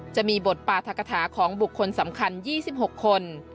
จะมีบทปราธกฐาของบุคคลสำคัญ๒๖คน